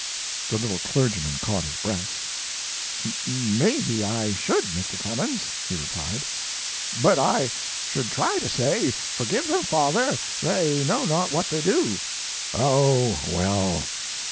The little clergyman caught his breath. "Maybe I should, Mr. Clemens," he replied, "but I should try to say, 'Forgive them, Father, they know not what they do.'" "Oh, well!